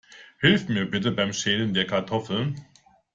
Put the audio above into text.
Hilf mir bitte beim Schälen der Kartoffeln.